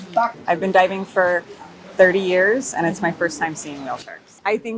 saya telah menyerang selama tiga puluh tahun dan ini adalah pertama kali saya melihat whale shark